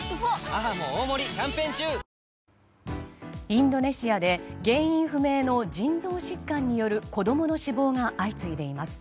インドネシアで原因不明の腎臓疾患による子供の死亡が相次いでいます。